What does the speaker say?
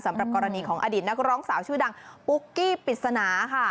สำหรับกรณีของอดีตนักร้องสาวชื่อดังปุ๊กกี้ปริศนาค่ะ